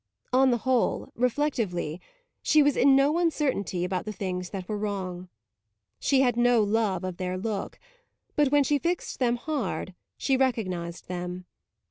On the whole, reflectively, she was in no uncertainty about the things that were wrong. She had no love of their look, but when she fixed them hard she recognised them.